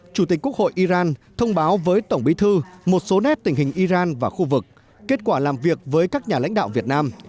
chủ tịch quốc hội iran thông báo với tổng bí thư một số nét tình hình iran và khu vực kết quả làm việc với các nhà lãnh đạo việt nam